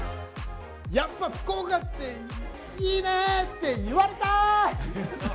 やっぱ福岡っていいねって言われたーい！